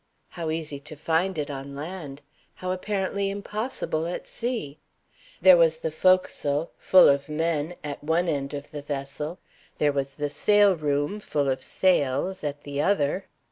How easy to find it on land! How apparently impossible at sea! There was the forecastle (full of men) at one end of the vessel. There was the sail room (full of sails) at the other.